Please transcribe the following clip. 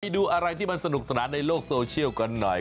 ดูอะไรที่มันสนุกสนานในโลกโซเชียลกันหน่อย